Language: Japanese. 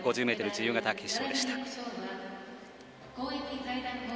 自由形決勝でした。